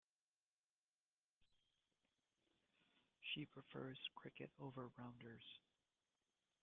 She prefers cricket over rounders.